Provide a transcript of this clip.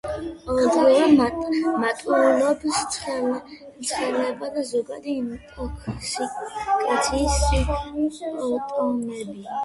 ყოველდღიურად მატულობს ცხელება და ზოგადი ინტოქსიკაციის სიმპტომები.